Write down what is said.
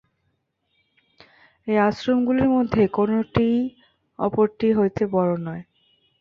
এই আশ্রমগুলির মধ্যে কোনটিই অপরটি হইতে বড় নয়।